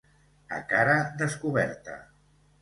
A cara descoberta.